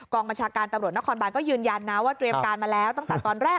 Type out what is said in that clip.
บัญชาการตำรวจนครบานก็ยืนยันนะว่าเตรียมการมาแล้วตั้งแต่ตอนแรก